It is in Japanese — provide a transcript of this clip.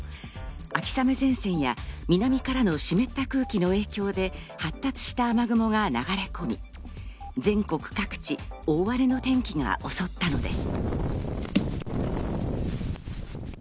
秋雨前線や南からの湿った空気の影響で発達した雨雲が流れ込み、全国各地、大荒れの天気が襲ったのです。